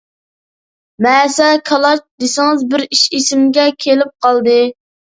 مەسە-كالاچ دېسىڭىز بىر ئىش ئېسىمگە كېلىپ قالدى.